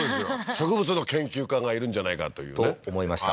植物の研究家がいるんじゃないかというねと思いました